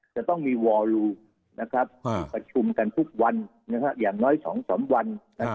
จะต้องมีวอลูประชุมกันทุกวันอย่างน้อย๒๓วัน